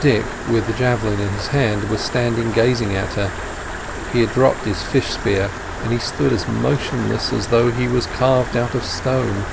Dick, with the javelin in his hand, was standing gazing at her; he had dropped his fish spear, and he stood as motionless as though he were carved out of stone.